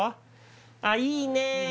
あっいいね！